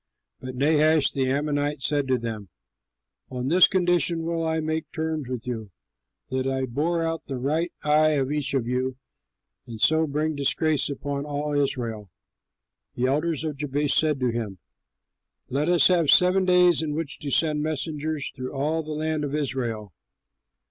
But Nahash, the Ammonite, said to them. "On this condition will I make terms with you: that I bore out the right eye of each of you, and so bring disgrace upon all Israel." The elders of Jabesh said to him, "Let us have seven days in which to send messengers through all the land of Israel.